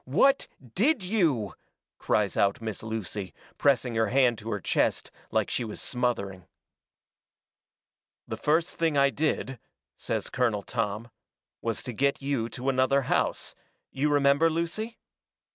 WHAT DID YOU?" cries out Miss Lucy, pressing her hand to her chest, like she was smothering. "The first thing I did," says Colonel Tom, "was to get you to another house you remember, Lucy?"